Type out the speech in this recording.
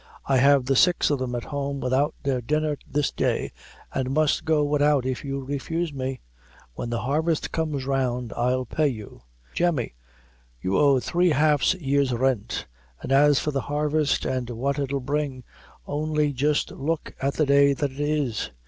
I have the six o' them at home widout their dinner this day, an' must go widout if you refuse me. When the harvest comes round, I'll pay you." "Jemmy, you owe three half year's, rent; an' as for the harvest an' what it'll bring, only jist look at the day that's in it.